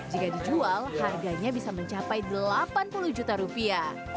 jika dijual harganya bisa mencapai delapan puluh juta rupiah